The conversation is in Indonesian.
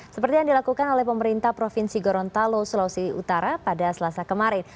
seperti yang dilakukan oleh pemerintah provinsi gorontalo sulawesi utara pada selasa kemarin